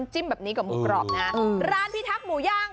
จ้ะนะครับอยู่ระยอง